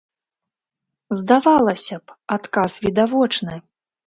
Здавалася б, адказ відавочны.